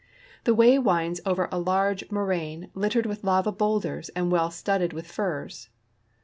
The way winds over a large moraine littered with lava boulders and well studded with firs.